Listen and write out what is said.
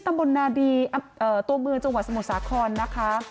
ตำบลนาดีตัวเมืองจังหวัดสมุทรสาครนะคะ